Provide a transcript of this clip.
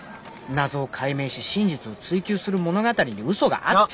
謎を解明し真実を追求する物語にうそがあっちゃ。